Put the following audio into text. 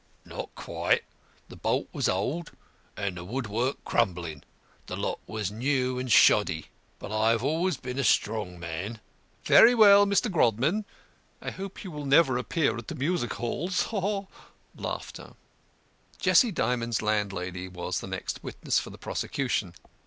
"Not quite; the bolt was old, and the woodwork crumbling; the lock was new and shoddy. But I have always been a strong man." "Very well, Mr. Grodman. I hope you will never appear at the music halls." Jessie Dymond's landlady was the next witness for the prosecution.